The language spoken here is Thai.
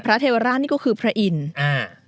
พระเทวราชนี่ก็คือพระอินทร์